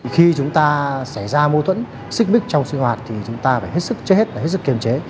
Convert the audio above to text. khi chúng ta xảy ra mâu thuẫn xích mích trong sinh hoạt thì chúng ta phải hết sức chết hết hết sức kiềm chế